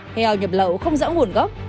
heo nhập lậu không dỡ nguồn gốc